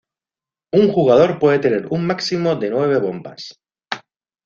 Un jugador puede tener un máximo de nueve bombas.